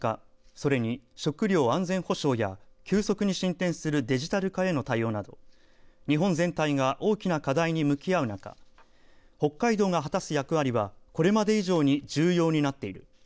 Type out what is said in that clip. それに食料安全保障や急速に進展するデジタル化への対応など日本全体が大きな課題に向き合う中北海道が果たす役割はこれまで以上に重要になっている。